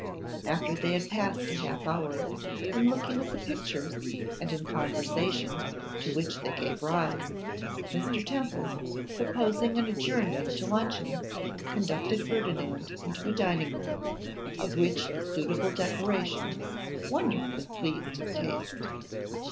After they had passed a half hour in looking at the pictures and in conversation to which they gave rise, Mr. Temple, proposing an adjournment to luncheon, conducted Ferdinand into a dining room, of which the suitable decorations wonderfully pleased his taste.